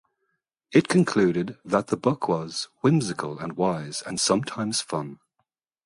It concluded that the book was "whimsical and wise and sometimes fun".